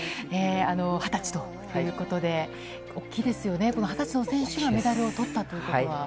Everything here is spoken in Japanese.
２０歳ということで、大きいですよね、この２０歳の選手がメダルをとったということは。